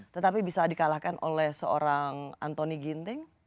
tetapi bisa di kalahkan oleh seorang antony ginting